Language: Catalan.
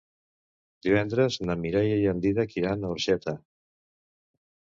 Divendres na Mireia i en Dídac iran a Orxeta.